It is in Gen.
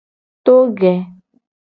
To ge.